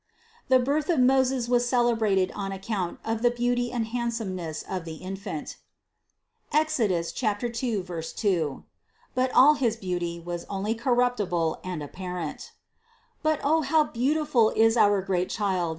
The birth of Moses was celebrated on account of the beauty and handsomeness of the infant (Exod. 2, 2) ; all his beauty was only corruptible and apparent. But O how beautiful is our great Child!